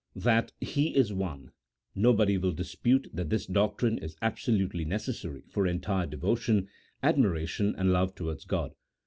That He is One. Nobody will dispute that this doctrine is absolutely necessary for entire devotion, admira tion, and love towards G od.